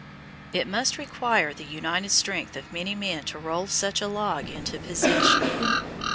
It must require the united strength of many men to roll such a log into position.